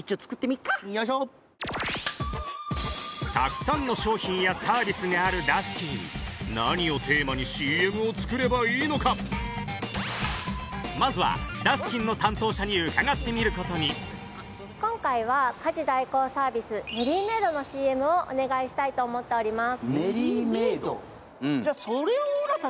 たくさんの商品やサービスがあるダスキン何をテーマにＣＭを作ればいいのかまずはダスキンの担当者に伺ってみることに今回は家事代行サービスと思っております